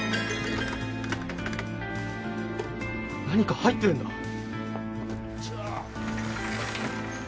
何か入ってるんだ。